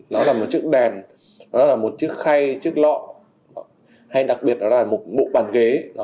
nó là một chiếc đèn nó là một chiếc khay chiếc lọ hay đặc biệt đó là một bộ bàn ghế